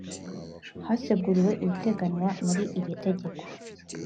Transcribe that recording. haseguriwe ibiteganywa muri iri tegeko